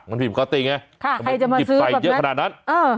มันผิดปกติไงหยิบใส่เยอะขนาดนั้นเออใช่ค่ะใครจะมาซื้อแบบนั้นเออ